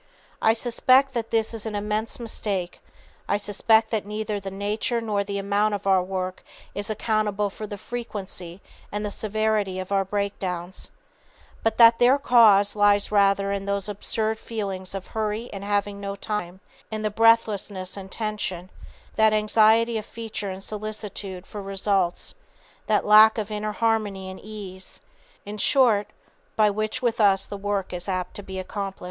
I suspect that this is an immense mistake, I suspect that neither the nature nor the amount of our work is accountable for the frequency and the severity of our breakdowns, but that their cause lies rather in those absurd feelings of hurry and having no time, in the breathlessness and tension, that anxiety of feature and solicitude for results, that lack of inner harmony and ease, in short, by which with us the work is apt to be accompanied."